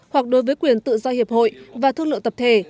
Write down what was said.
hoặc đối với quyền tự do hiệp hội và thương lượng tập thể